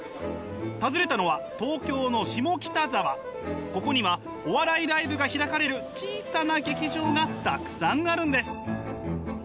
訪ねたのはここにはお笑いライブが開かれる小さな劇場がたくさんあるんです。